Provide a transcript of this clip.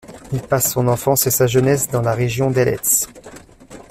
Il passe son enfance et sa jeunesse dans la région d'Elets.